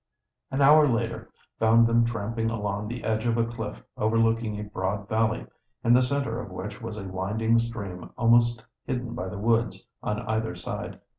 An hour later found them tramping along the edge of a cliff overlooking a broad valley, in the center of which was a winding stream almost hidden by the woods on either side.